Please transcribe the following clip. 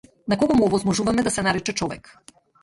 На кого му овозможуваме да се нарече човек?